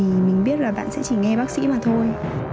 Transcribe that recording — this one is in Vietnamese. thì mình biết là bạn sẽ chỉ nghe bác sĩ mà thôi